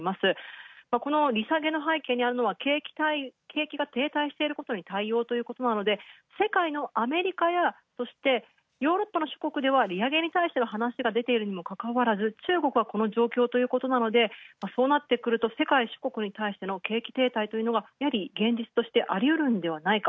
この利下げの背景にあるのは景気が停滞していることに対応ということなので、世界のアメリカや、そしてヨーロッパの諸国では利上げに足しての話が出ているのにもかかわらず、中国はこの状況ということなので、そうなってくると世界四国に景気停滞というのがやはり現実としてありゆるんではないか。